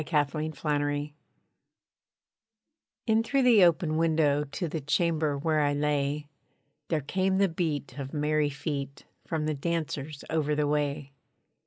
A STRAIN OF MUSIC In through the open window To the chamber where I lay, There came the beat of merry feet, From the dancers over the way.